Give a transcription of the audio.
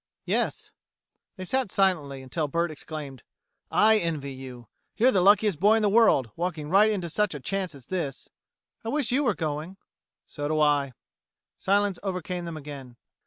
"Yes." They sat silently until Bert exclaimed, "I envy you! You're the luckiest boy in the world, walking right into such a chance as this." "I wish you were going." "So do I." Silence overcame them again.